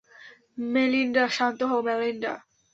Melinda - শান্ত হও, Melinda.